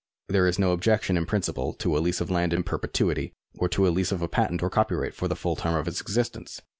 There is no objection in principle to a lease of land in perpetuity, or to a lease of a patent or copyright for the full term of its existence.